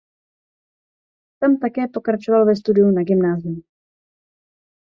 Tam také pokračoval ve studiu na gymnáziu.